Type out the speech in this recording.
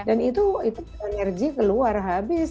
dan itu energi keluar habis